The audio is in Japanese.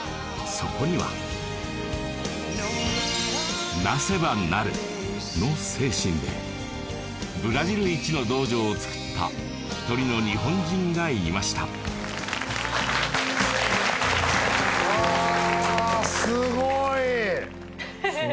そこには為せば成るの精神でブラジル１の道場を作った１人の日本人がいましたうわーすごいははははっ